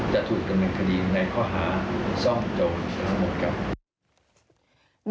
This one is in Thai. จะถูกดำเนินคดีในข้อหาซ่องโจรทั้งหมดครับ